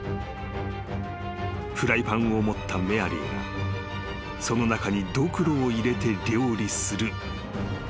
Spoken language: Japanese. ［フライパンを持ったメアリーがその中にどくろを入れて料理するというものだった］